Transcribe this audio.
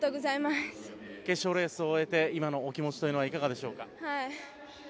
決勝レースを終えて今のお気持ちというのはいかがでしょうか。